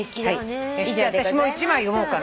私も１枚読もうかな。